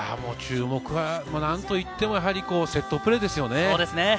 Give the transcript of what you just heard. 注目はなんといっても、セットプレーですよね。